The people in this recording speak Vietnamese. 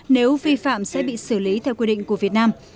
nếu vi phạm sẽ bị xử lý theo quy định của việt nam